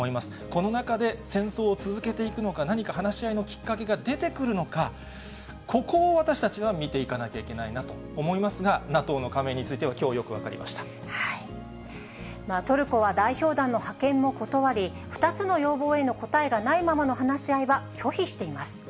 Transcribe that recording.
この中で、戦争を続けていくのか、何か話し合いのきっかけが出てくるのか、ここを私たちは見ていかなきゃいけないなと思いますが、ＮＡＴＯの加盟については、トルコは代表団の派遣も断り、２つの要望への答えがないままの話し合いは拒否しています。